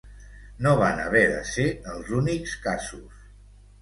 No van haver de ser els únics casos.